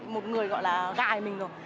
một người gọi là gài mình rồi